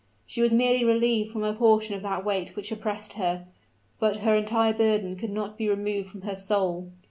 She was merely relieved from a portion of that weight which oppressed her; but her entire burden could not be removed from her soul.